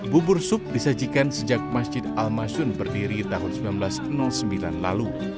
bubur sup disajikan sejak masjid al masyun berdiri tahun seribu sembilan ratus sembilan lalu